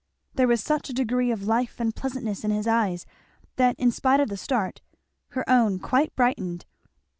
There was such a degree of life and pleasantness in his eyes that, in spite of the start, her own quite brightened.